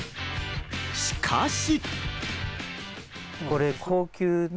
しかし。